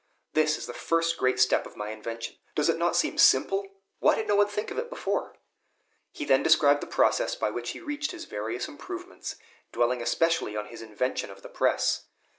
This is the first great step of my invention. Does it not seem simple? Why did no one think of it before?" He then described the process by which he reached his various improvements, dwelling especially on his invention of the press.